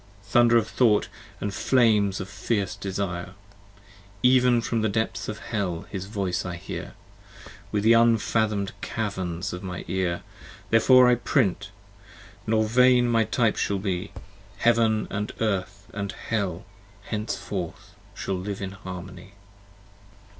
Thunder of Thought, & flames of fierce desire: Even from the depths of Hell his voice I hear, 25 Within the unfathom'd caverns of my Ear. Therefore I print; nor vain my types shall be: Heaven, Earth & Hell, henceforth shall live in harmony.